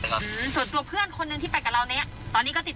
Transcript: ส่วนตัวเพื่อนคนนึงที่ไปกับเรานี้